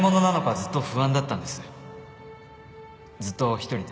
ずっと一人で